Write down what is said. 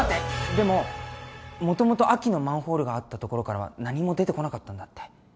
でももともと秋のマンホールがあったところからは何も出てこなかったんだって。